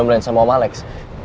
bukan tiong blenze mau maleks